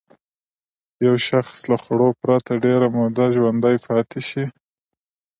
یو شخص له خوړو پرته ډېره موده ژوندی پاتې شي.